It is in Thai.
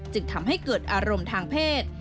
จึงทำให้เกิดอารมณ์ทางเพศ